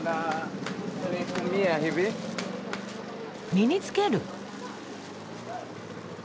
身につける。